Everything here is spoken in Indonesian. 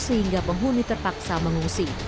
sehingga penghuni terpaksa mengungsi